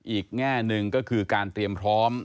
แง่หนึ่งก็คือการเตรียมพร้อม